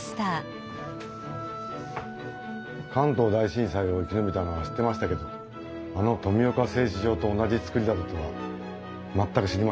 関東大震災を生き延びたのは知ってましたけどあの富岡製糸場と同じ造りだったとは全く知りませんでした。